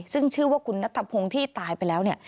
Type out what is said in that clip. ซึ่งชื่อว่าคุณณธพงษ์ที่ตายไปแล้ว